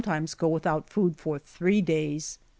267 go without food for three days.